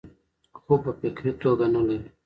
خو پۀ فکري توګه نۀ لري -